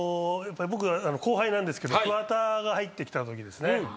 後輩なんですけど桑田が入ってきたときですね。